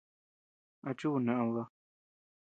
¿A chuu ned baa?